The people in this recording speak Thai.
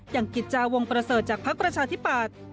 อย่างกิจจาวงประเสริฐจากภักดิ์ประชาธิปัตย์